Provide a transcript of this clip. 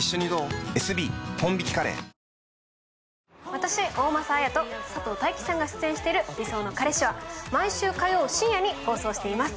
私、大政絢と佐藤大樹さんか出演している「理想ノカレシ」は毎週火曜深夜に放送しています。